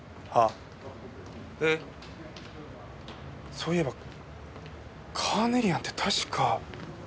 そういえばカーネリアンって確か。